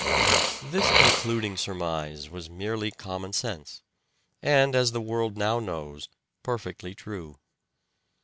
This concluding surmise was merely common sense, and, as the world now knows, perfectly true.